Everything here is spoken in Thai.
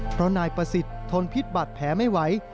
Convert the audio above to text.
เพราะนายประสิทธิ์ทนพิษบาดแผลไม่ไหว